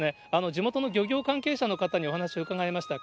地元の漁業関係者の方にお話を伺いました。